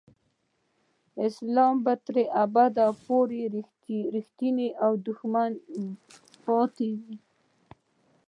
اسلام به تر ابده پورې رښتینی دښمن پاتې وي.